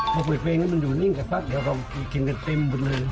พอเปิดเพลงแล้วมันอยู่นิ่งสักพักเดี๋ยวก็กินกันเต็มหมดเลย